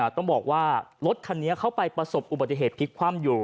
ต้องบอกว่ารถคันนี้เขาไปประสบอุบัติเหตุพลิกคว่ำอยู่